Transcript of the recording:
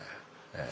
ええ。